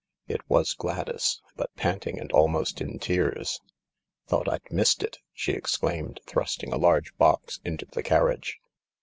It was Gladys, but panting and almost in tears, "Thought I'd missed it," she exclaimed, thrusting a large box into the carriage.